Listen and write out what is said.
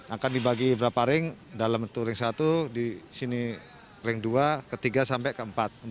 akan dibagi berapa ring dalam itu ring satu di sini ring dua ketiga sampai ke empat